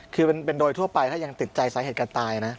คือโดยทั่วไปถ้ายังติดใจสาเหตุการณ์ตายนะ